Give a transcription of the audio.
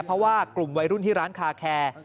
เพราะว่ากลุ่มวัยรุ่นที่ร้านคาแคร์